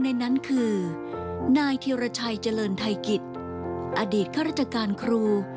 นายเทียวระชัยเจริญไทยกิตอดีตข้าราชการครู